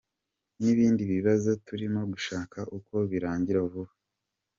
N’ibindi bibazo turimo gushaka uko birangira vuba.